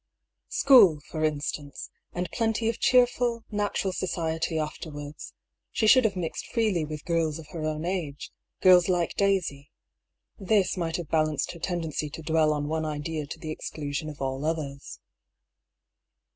School, for instance, and plenty of cheer ful, natural society afterwards ; she should have mixed freely with girls of her own age, girls like Daisy. This might have balanced her tendency to dwell on one idea to the exclusion of all others.